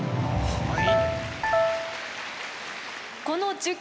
はい！